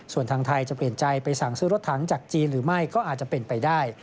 ส่วนทางไทยจะเปลี่ยนใจไปสั่งซื้อรถถังจากจีนหรือไม่ก็อาจจะเป็นไปได้